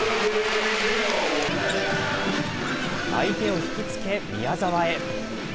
相手を引き付け、宮澤へ。